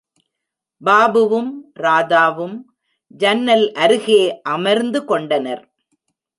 பாபுவும், ராதாவும் ஜன்னல் அருகே அமர்ந்து கொண்டனர்.